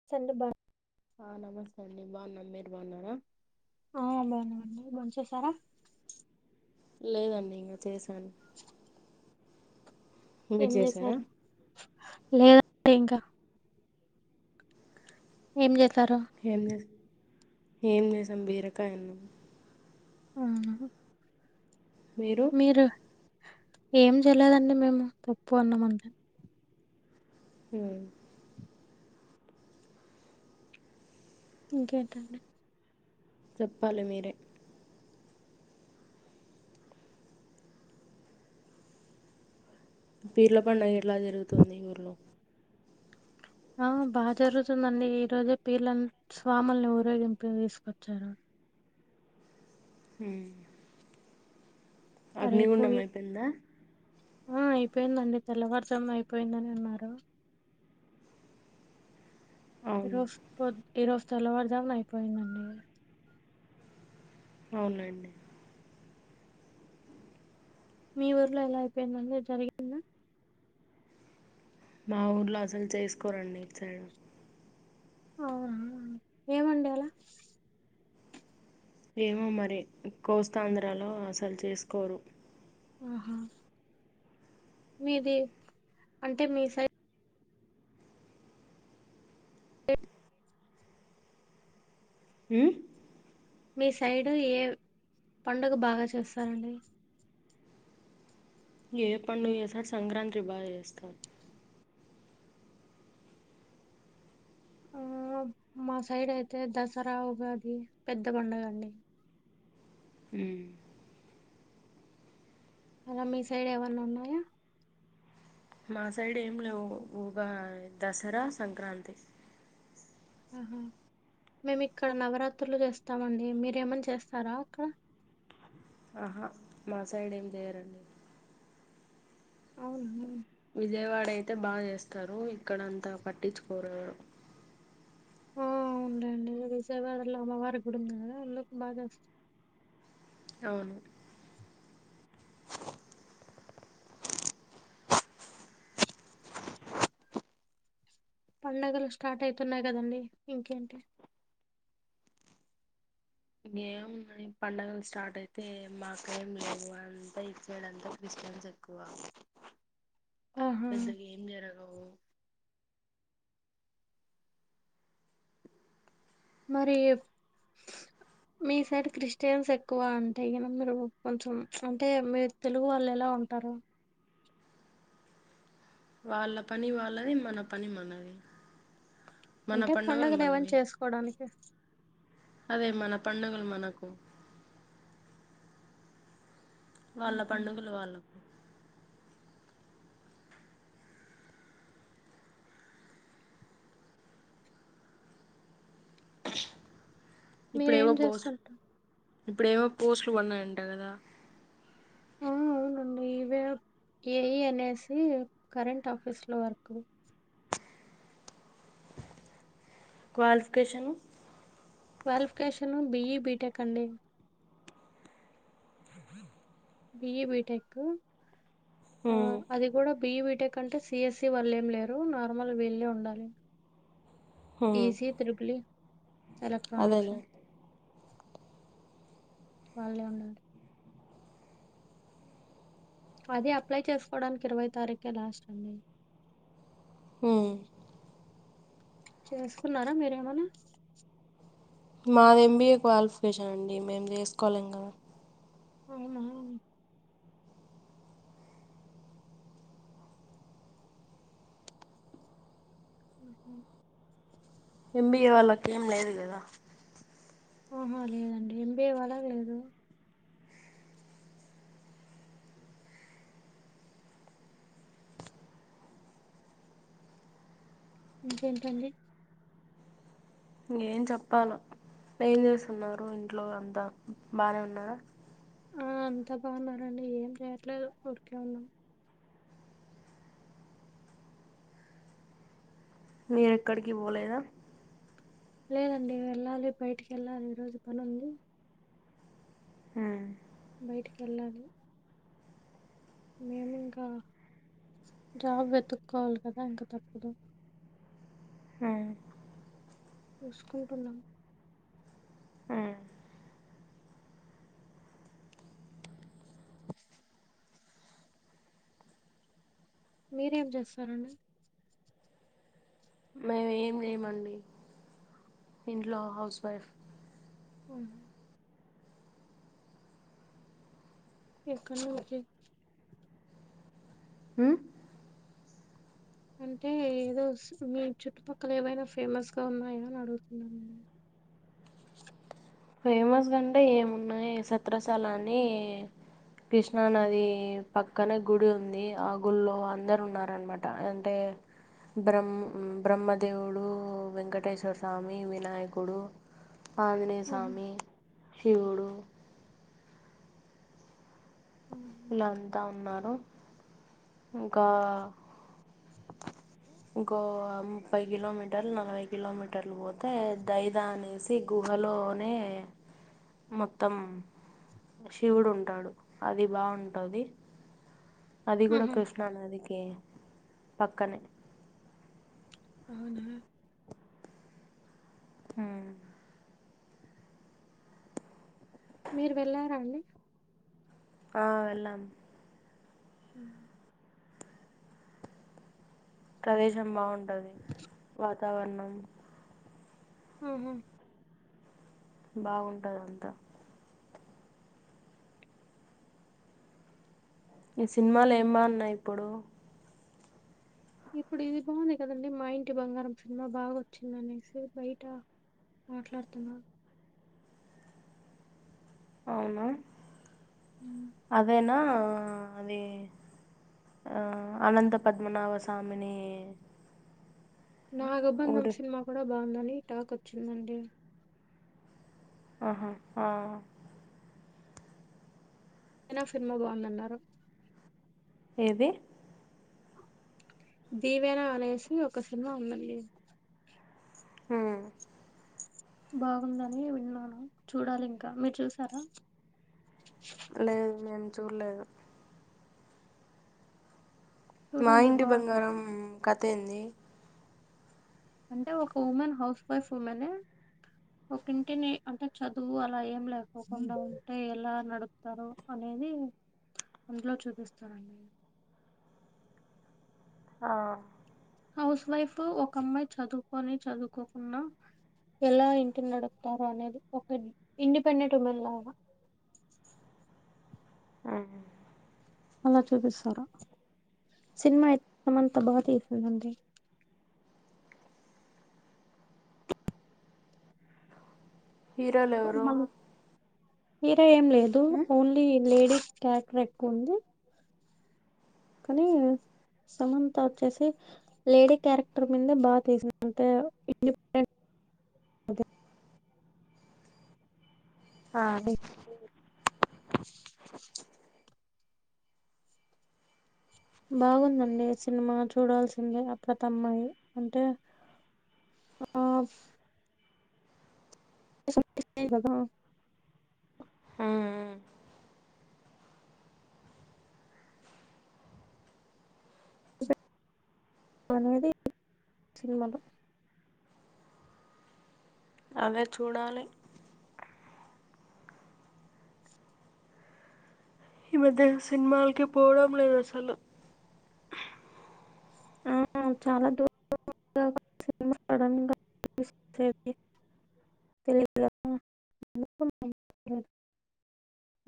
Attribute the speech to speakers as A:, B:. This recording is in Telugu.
A: [unintelligible]
B: ఆ నమస్తే అండి బాగున్నా మీరు బాగున్నార
A: ఆ బాగున్నామండీ. భోంచేసార
B: లేదండి ఇంగ చేశాను మీరు
A: ఏం
B: చేసారా
A: చేశారు లేదండి ఇంక ఏం చేసరు
B: ఏం చేసాం బీరకాయ అన్నం
A: ఉ
B: మీరు
A: ఏం చేయలేదండి మేము పొప్పు అన్నం అంతే
B: హ
A: ఇంకేంటండి
B: చెప్పాలి మీరే పీర్ల పండుగ ఎలా జరుగుతుంది ఊర్లో
A: ఆ బాగ జరుగుతుందండి ఈ రోజే పీర్ల స్వాముల్ని ఊరేగింపు తీసుకొచ్చారు
B: హు అగ్నిగుండం
A: అరేపోయి
B: అయిపోయిందా
A: ఆ అయిపోయిందండి తెల్లవారు జామున అయిపోయిందని అన్నారు ఈ
B: అవును
A: రోజు పొద్ ఈ రోజు తెల్లవారుజామున అయిపోయిందండి
B: అవునండి
A: మీ ఊర్లో ఎలా అయిపోయింది అండి [unintelligible]
B: మా ఊర్లో అసలు చేసుకోరండి ఇటు సైడ్
A: అవునా ఏమండి అలా
B: ఏమో మరి కోస్తాంధ్రాలో అసలు చేసుకోరు
A: ఆహా మీది అంటే మీ సై
B: ఉమ్
A: మీ సైడు ఏ పండుగ బాగా చేస్తారండి
B: ఏ పండుగ చేసిన సంక్రాంతి బాగా చేస్తారు
A: ఆ మా సైడ్ అయితే దసరా, ఉగాది పెద్ద పండుగ అండి
B: ఉ
A: అలా మీ సైడ్ ఏవన్న ఉన్నాయా
B: మా సైడ్ ఏం లేవు ఉఊగా దసరా సంక్రాంతి
A: ఆహా మేము ఇక్కడ నవరాత్రులు చేస్తామండి మీరేమన్నా చేస్తారా అక్కడ
B: ఆహా మా సైడ్ ఏం చేయరండి
A: అవున మే
B: విజయవాడ అయితే బాగా చేస్తారు ఇక్కడంతా పట్టించుకోరు
A: ఆ అవును లెండి విజయవాడలో అమ్మవారి గుడి ఉంది కదా అందుకు బాగా చేస్తర్
B: అవునండి
A: పండుగలు స్టార్ట్ అవుతున్నాయి కదండి ఇంకేంటి
B: ఏం ఉన్నాయ్ పండగలు స్టార్ట్ అయితే మాకేం లేవు అంతా ఇటు సైడ్ అంత క్రిస్టియన్స్ ఏ క్కువ
A: ఆహా
B: పెద్దగా ఏం జరగవు
A: మరియు మీ సైడ్ క్రిస్టియన్స్ ఎక్కువ అంటే గిన మీరు కొంచెం అంటే మీరు తెలుగు వాళ్ళు ఎలా ఉంటారు
B: వాళ్ళ పని వాళ్ళది మన పని మనది మన
A: అంటే పండుగలు ఏమన్నా
B: మనవి
A: చేసుకోవడానికి
B: అదే మన పండగలు మనకు వాళ్ళ
A: మ్మ్.
B: పండుగలు వాళ్ళక్
A: మీరేం
B: ఇప్పుడేవో పోస్
A: చేస్తుంటారు?
B: ఇపుడు ఏమో పోస్ట్లు పడిన్నాయంట కదా
A: ఆ అవునండి ఇవే ఏఈ అనేసి కరెంట్ ఆఫీస్ లో work
B: qualification
A: qualification BE BTech అండి బిఈ బిటెక్
B: హ్మ్
A: అది కూడా బిఈ బిటెక్ కంటే సిఎస్సి వాళ్ళు ఏం లేరు నార్మల్ వీళే ఉండాలి
B: హ్మ్
A: ఈస ట్రిబుల్ ఈ ఎలెక్ట్రనిక్స్
B: అదేలే
A: వాళ్ళే ఉండి అది అప్లై చేసుకోవడానికి ఇరవై తారీఖే లాస్ట్ అండి
B: హ
A: చేసుకున్నారా మీరేమన్నా
B: మాది ఎంబీఏ క్వాలిఫికేషన్ అండి మేము చేసుకోలేం గా
A: అవునా ఉహ
B: ఎంబీఏ వాళ్ళకి ఏం లేదు కదా
A: ఆహా లేదండి ఎంబీఏ వాలాకు లేదు ఇంకేంటండి
B: ఇంక ఏం చెప్పలో ఏం చేస్తున్నారు ఇంట్లో వాళ్ళు అంతా బాగానే ఉన్నారా
A: ఆ అంత బాగున్నారండి ఏం చెయట్లేదు ఉరికే ఉన్నాం
B: మీర్ ఎక్కడికి పోలేదా
A: లేదండి వెళ్ళాలి బయటికి వెళ్ళాలి ఈ రోజు పని ఉంది
B: హుః
A: బయటికి వెళ్ళాదు మేము ఇంకా జ్రాబ్ వెతుక్కోవాలి కదా ఇంకా తప్పదు
B: హుం
A: చూసుకుంటున్నాం
B: ఆ
A: మీరేం చేస్తారండి
B: మేము ఏం చెయమండి ఇంట్లో హౌస్ వైఫ్
A: ఉవు ఎక్కడ నుంచి
B: ఊ
A: అంటే ఏదో మీ చుట్టుపక్కల ఏమైనా ఫేమస్ గా ఉన్నాయా అని అడుగుతున్నాండి
B: ఫేమస్గాంటే ఏమున్నాయి సత్రసాల అని కృష్ణా నది పక్కనే గుడి ఉంది ఆ గుళ్లో అందరు ఉన్నారుా అనమాట అంటే బ్రహ బ్రహ్మదేవుడు వెంకటేశ్వర స్వామి వినాయకుడు ఆంజనే
A: ఆహా,
B: స్వామి శివుడు
A: ఉ
B: ఇలాంతా ఉన్నారు ఇంకా ఇంకో ముప్పై కిలోమీటర్లు నలభై కిలోమీటర్లు పోతే దైదా అనే సి గుహలోనే మొత్తం శివుడు ఉంటాడు అది బాగుంటది అది కూడా
A: ఆహా,
B: కృష్ణానదికి పక్కనే
A: అవునా
B: హ్మ్
A: మీరు వెళ్ళారండి
B: ఆ వెళ్ళాం
A: ఉ
B: ప్రదేశం బాగుంటది వాతావరణం
A: ఆహ
B: బాగుంటంద అంతా ఈ సినిమాలు ఏం బాగున్నాయి ఇప్పుడు
A: ఇప్పుడు ఇది బాగుంది కదండి మా ఇంటి బంగారం సినిమా బాగా వచ్చింద అనేసి బయట మాట్లాడుతున్నారు
B: అవునా అదేనా అది ఆ అనంత పద్మనాభ స్మని
A: నాగబంధం సినిమా కూడా బాగుందని టాక్ వచ్చిందండి
B: ఆహా ఆ
A: అయినా సినిమా బాగుందన్నారు
B: ఏది
A: దీవేన అనేసి ఒక సినిమా ఉందండి
B: హ్మ్
A: బాగుందని విన్నాను చూడాలి ఇంకా మీరు చూసారా
B: లేదు మేము చూడలేదు మా
A: చూడండి
B: ఇంటి
A: బాగుంది.
B: బంగారం కథ ఏంది
A: అంటే ఒక ఉమెన్ హౌస్ వైఫ్ ఉమెన్ ఒకటింటిని అంటే చదువు అలా ఏం లేకకుండా ఉంటే ఎలా నడుపూ రోజు అనేది అందులో చూపిస్తారండి
B: ఆ
A: హౌస్ వైఫ్ ఒక అమ్మాయి చదువుకని చదువుకోకున్నా ఎలా ఇంటిని నడుపుతారు అనేది ఒక ఇండిపెండెంట్ ఉమెన్ లానా
B: ఆ
A: అలా చూపిస్తారు సినిమా ఇస్త అంతా బాగా తీసిందండి
B: హీరోలు ఎవరు
A: మ హరా ఏం లేదు ఓన్లీ లేడీస్ క్యారెక్టర్ ఎక్కువ ఉంది కానీ సమంత వచ్చేసి లేడీ క్యారెక్టర్ మీదే బాగా తీసింది అంతే
B: హా
A: బాగుందండి సినిమా చూడాల్సిందే అప్పుడత అమ్మాయి అంటే ఆ చెప్తుంది కదా
B: ఆ
A: అనేది సినిమాలో
B: అవే చూడాలి ఈ మధ్య సినిమాలకి పోవడం లేదు అసలు
A: ఆ చాలా దూర సినిమా సడన్ గాది తెలిదు